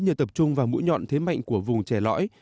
nhờ tập trung vào mũi nhọn thế mạnh của vùng trẻ lõi